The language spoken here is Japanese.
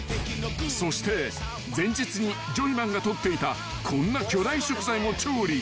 ［そして前日にジョイマンが採っていたこんな巨大食材も調理］